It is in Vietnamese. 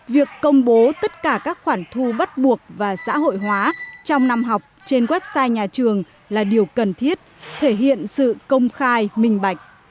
việc công bố tất cả các khoản thu bắt buộc và xã hội hóa trong năm học trên website nhà trường là điều cần thiết thể hiện sự công khai minh bạch